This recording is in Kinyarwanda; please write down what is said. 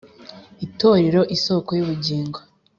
Itorero isoko y ubugingo